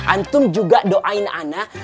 antum juga doain ana